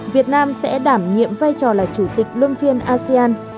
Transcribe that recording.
việt nam sẽ đảm nhiệm vai trò là chủ tịch luân phiên asean